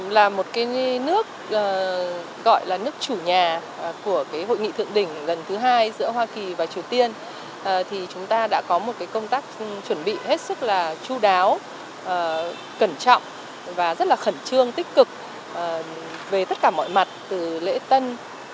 là một cái nước gọi là nước chủ nhà của hội nghị thượng đỉnh lần thứ hai giữa hoa kỳ và triều tiên thì chúng ta đã có một công tác chuẩn bị hết sức là chú đáo cẩn trọng và rất là khẩn trương tích cực về tất cả mọi mặt từ lễ tân